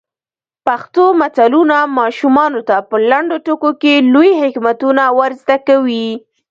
پښتو متلونه ماشومانو ته په لنډو ټکو کې لوی حکمتونه ور زده کوي.